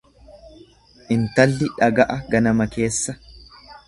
Intalli dhaga'a ganama keessa.